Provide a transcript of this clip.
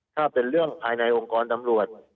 ถ้าเป็นเรื่องภายในองค์กรตำรวจ